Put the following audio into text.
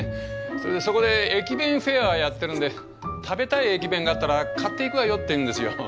それでそこで駅弁フェアをやってるんで食べたい駅弁があったら買っていくわよって言うんですよ。